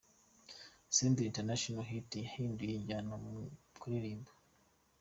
Senderi Itanashono Hiti yahinduye injyana mu kuririmba